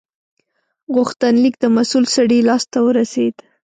غوښتنلیک د مسول سړي لاس ته ورسید.